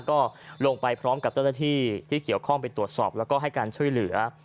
ก็ลงไปพร้อมกับเจ้าหน้าที่ที่เกี่ยวข้องไปตรวจสอบแล้วก็ให้การช่วยเหลือ